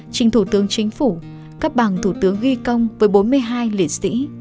trình thủ tướng chính phủ cấp bằng thủ tướng ghi công với bốn mươi hai liệt sĩ